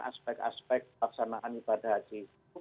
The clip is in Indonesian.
aspek aspek pelaksanaan ibadah haji